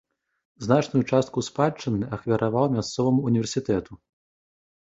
Значную частку спадчыны ахвяраваў мясцоваму ўніверсітэту.